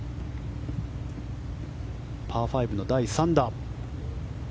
パー５の第３打。